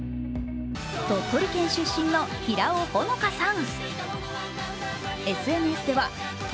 鳥取県出身の平尾帆夏さん。